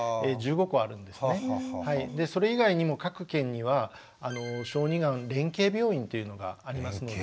でそれ以外にも各県には小児がん連携病院っていうのがありますので。